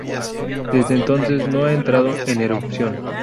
Desde entonces no ha entrado en erupción.